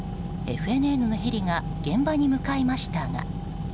ＦＮＮのヘリが現場へ向かいましたが。